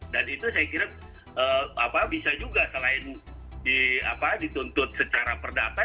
dan itu saya kira bisa juga selain dituntut secara perdata